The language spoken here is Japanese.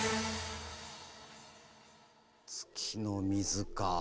月の水かあ。